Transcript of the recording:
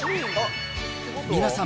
皆さん